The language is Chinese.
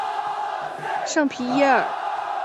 圣皮耶尔。